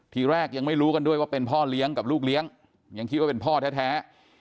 ทีแรกยังไม่รู้กันด้วยว่าเป็นพ่อเลี้ยงกับลูกเลี้ยงยังคิดว่าเป็นพ่อแท้